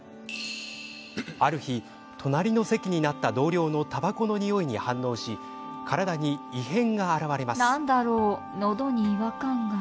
ある日、隣の席になった同僚のたばこのにおいに反応し体に異変が現れます。